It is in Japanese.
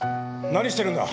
何してるんだ！